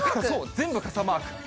全部傘マーク。